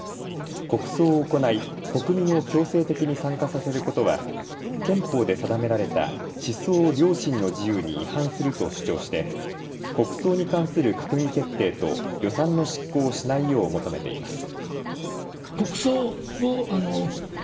国葬を行い国民を強制的に参加させることは憲法で定められた思想・良心の自由に違反すると主張して国葬に関する閣議決定と予算の執行をしないよう求めています。